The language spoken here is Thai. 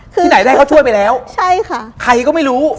ที่ไหนได้เขาช่วยไปแล้วใครก็ไม่รู้ใช่ค่ะ